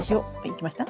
いきました？